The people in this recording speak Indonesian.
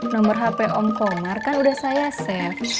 nomor hp om komar kan udah saya safe